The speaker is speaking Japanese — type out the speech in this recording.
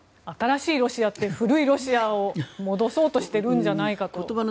新しいロシアって古いロシアを戻そうとしているんじゃないかと。